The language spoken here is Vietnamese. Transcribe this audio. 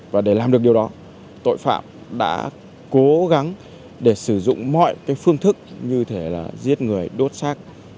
và để làm được điều đó tội phạm đã cố gắng để sử dụng mọi cái phương thức như thể là giết người đốt xác